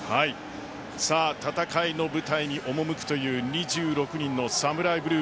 さあ戦いの舞台に赴くという２６人のサムライブルー。